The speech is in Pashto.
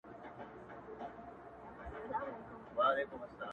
مي تاته شعر ليكه!!